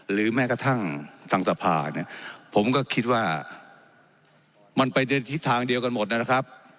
แม้กระทั่งทางสภาเนี่ยผมก็คิดว่ามันไปในทิศทางเดียวกันหมดนะครับ